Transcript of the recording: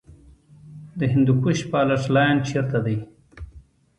د هندوکش فالټ لاین چیرته دی؟